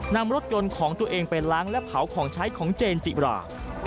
นำรถยนต์ของตัวเองไปล้างและเผาของใช้ของเจนจิบรา